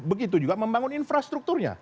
begitu juga membangun infrastrukturnya